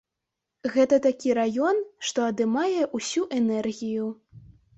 Гэта такі раён, што адымае ўсю энергію.